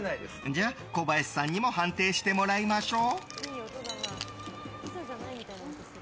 じゃ、小林さんにも判定してもらいましょう。